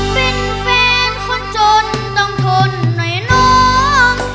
เป็นแฟนคนจนต่ำทนในโน้น